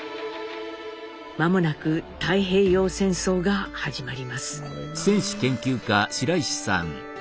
間もなく太平洋戦争が始まります。